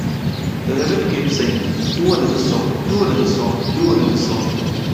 The label kept saying "Do another song, do another song, do another song".